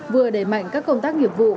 vừa đẩy mạnh các công tác nghiệp vụ